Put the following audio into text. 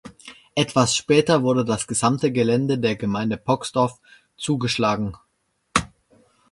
Etwas später wurde das gesamte Gelände der Gemeinde Poxdorf zugeschlagen.